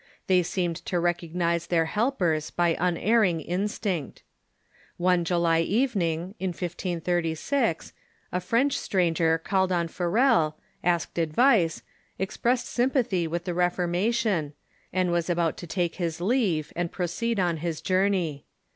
They seemed to recognize their helpers by un erring instinct. One July evening, in 1536, a French stranger called on Farel, asked advice, expressed sympathy with the Reformation, and was about to take his leave and proceed on .,„,. his iourney.